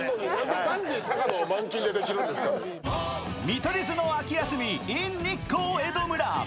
見取り図の秋休みｉｎ日光江戸村。